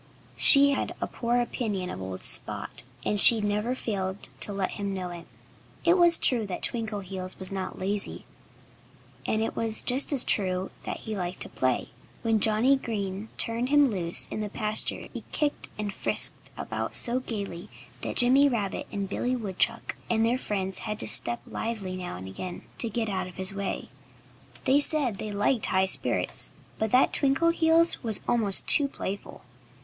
She had a poor opinion of old Spot. And she never failed to let him know it. It was true that Twinkleheels was not lazy. And it was just as true that he liked to play. When Johnnie Green turned him loose in the pasture he kicked and frisked about so gayly that Jimmy Rabbit and Billy Woodchuck and their friends had to step lively now and then, to get out of his way. They said they liked high spirits, but that Twinkleheels was almost too playful.